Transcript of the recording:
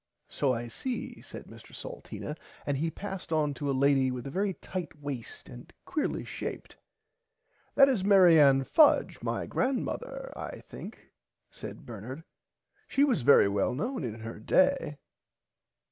So I see said Mr Salteena and he passed on to a lady with a very tight waist and quearly shaped. That is Mary Ann Fudge my grandmother I think said Bernard she was very well known in her day.